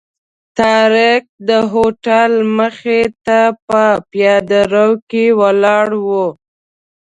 طارق د هوټل مخې ته په پیاده رو کې ولاړ و.